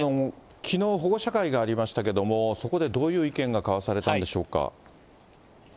きのう保護者会がありましたけれども、そこでどういう意見が交わされたんでしょうか。